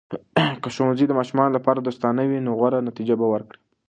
که ښوونځي د ماشومانو لپاره دوستانه وي، نو غوره نتیجه به ورکړي.